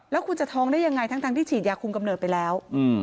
แล้วคุณจะท้องได้ยังไงทั้งที่ฉีดยาคุมกำเนิดไปแล้ว